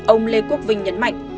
ông lê quốc vinh nhấn mạnh